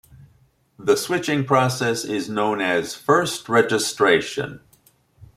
The switching process is known as first registration.